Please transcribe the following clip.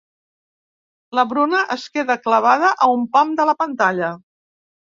La Bruna es queda clavada a un pam de la pantalla.